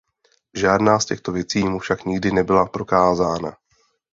Žádná z těchto věcí mu však nikdy nebyla prokázána.